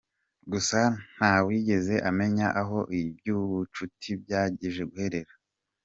Gusa ntawigeze amenya aho iby’ubu bucuti byaje guherera.